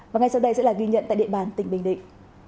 và ngay sau đây sẽ là ghi nhận tại địa bàn tỉnh bình định